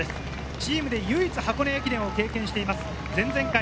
チームで唯一、箱根駅伝を経験しています。